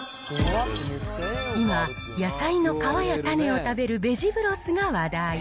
今、野菜の皮や種を食べるベジブロスが話題。